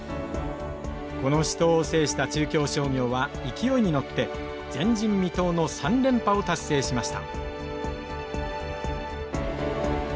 この死闘を制した中京商業は勢いに乗って前人未到の３連覇を達成しました。